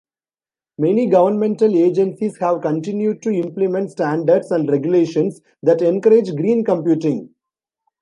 Many governmental agencies have continued to implement standards and regulations that encourage green computing.